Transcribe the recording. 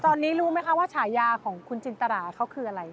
ตอนนี้รู้ไหมคะว่าฉายาของคุณจินตราเขาคืออะไร